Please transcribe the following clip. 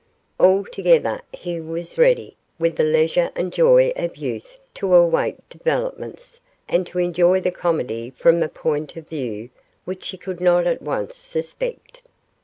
Altogether, he was ready, with the leisure and joy of youth, to await developments and to enjoy the comedy from a point of view which she could not at once suspect.